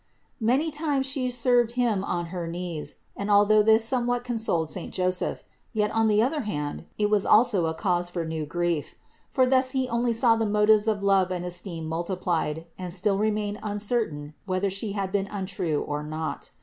Many times 308 CITY OF GOD She served him on her knees, and although this somewhat consoled saint Joseph, yet on the other hand, it was also a cause for new grief. For thus he only saw the motives of love and esteem multiplied and still remained uncer tain whether She had been untrue or not.